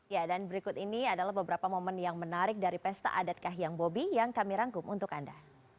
ya dan berikut ini adalah beberapa momen yang menarik dari pesta adat kahiyang bobi yang kami rangkum untuk anda